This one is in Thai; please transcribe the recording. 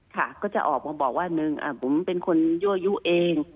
ค่ะก็จะออกมาบอกว่าหนึ่งผมเป็นคนยั่วยุเอง